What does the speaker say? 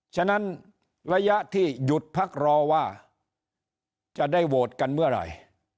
ฉะนั้นระยะที่หยุดพักรอว่าจะได้โหวตกันเมื่อไหร่